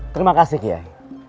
terima kasih kiai